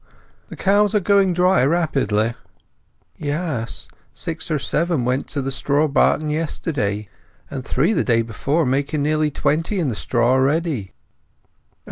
"The cows are going dry rapidly." "Yes. Six or seven went to the straw barton yesterday, and three the day before, making nearly twenty in the straw already.